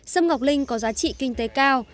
sâm ngọc linh có giá trị kinh tế cao